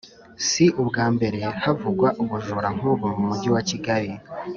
si ubwa mbere havugwa ubujura nk’ubu mu mujyi wa kigali,